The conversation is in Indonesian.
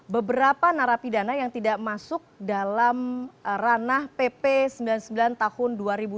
beberapa narapidana yang tidak masuk dalam ranah pp sembilan puluh sembilan tahun dua ribu dua puluh